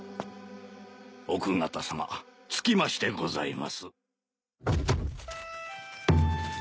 奥方さま着きましてございます。